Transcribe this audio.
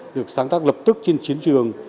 được sáng tác lập tức trên chiến trường